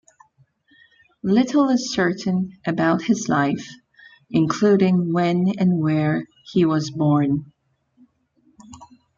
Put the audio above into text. Little is certain about his life, including when and where he was born.